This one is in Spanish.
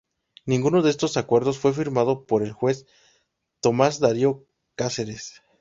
Ninguno de estos acuerdos fue firmado por el juez Tomás Darío Casares.